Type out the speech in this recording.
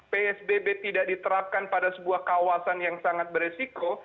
psbb tidak diterapkan pada sebuah kawasan yang sangat beresiko